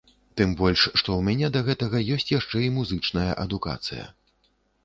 Тым больш, што ў мяне да гэтага ёсць яшчэ і музычная адукацыя.